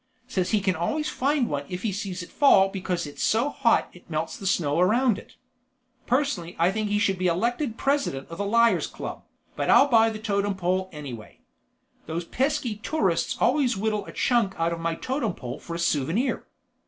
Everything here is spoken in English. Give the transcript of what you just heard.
Says he can always find one if he sees it fall because it's so hot it melts the snow around it. Personally I think he should be elected president of the Liars' Club, but I'll buy the Totem Pole anyway. Those pesky tourists always whittle a chunk out of my Totem Pole for a souvenir.